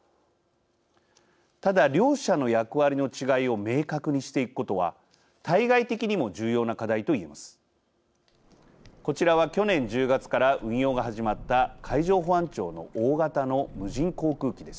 ただ両者の役割の違いを明確にしていくことは対外的にも重要な課題と言えます。